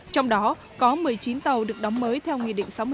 trong đó có một mươi chín tàu được đóng mới theo nghị định sáu mươi bảy của chính phủ